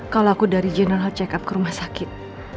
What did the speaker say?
kalau aku dari general check up ke rumah sakit